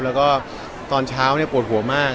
แล้วก็ตอนเช้าปวดหัวมาก